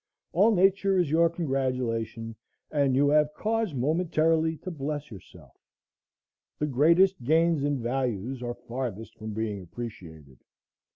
All nature is your congratulation, and you have cause momentarily to bless yourself. The greatest gains and values are farthest from being appreciated.